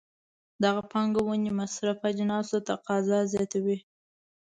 دغه پانګونې مصرفي اجناسو ته تقاضا زیاتوي.